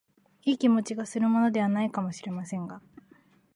いい気持ちがするものでは無いかも知れませんが、